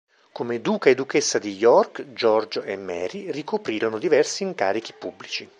Come duca e duchessa di York, Giorgio e Mary ricoprirono diversi incarichi pubblici.